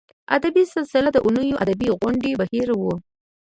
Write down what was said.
ادبي سلسله د اوونیزو ادبي غونډو بهیر و.